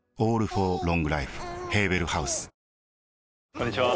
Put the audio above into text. こんにちは。